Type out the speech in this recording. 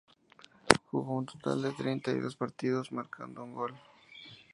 Jugó un total de treinta y dos partidos, marcando un gol.